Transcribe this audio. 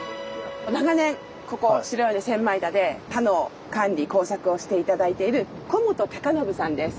長年ここ白米千枚田で田の管理・耕作をして頂いている小本隆信さんです。